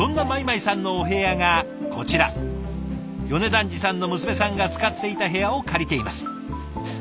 米團治さんの娘さんが使っていた部屋を借りています。